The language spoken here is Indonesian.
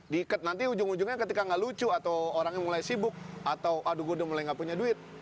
diikat nanti ujung ujungnya ketika gak lucu atau orangnya mulai sibuk atau aduh gue udah mulai nggak punya duit